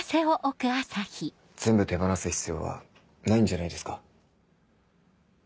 全部手放す必要はないんじゃないですか？